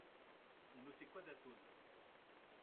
On ne sait quoi d’atone